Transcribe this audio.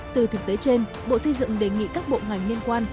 từ thực tế trên bộ xây dựng đề nghị các bộ ngành liên quan